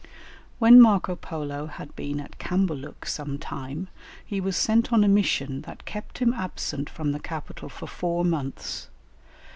When Marco Polo had been at Cambaluc some time, he was sent on a mission that kept him absent from the capital for four months.